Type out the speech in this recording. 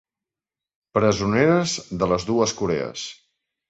Presoneres de les dues Corees.